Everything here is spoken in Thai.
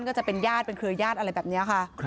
ก็จะเป็นญาติเป็นเครือญาติอะไรแบบนี้ค่ะ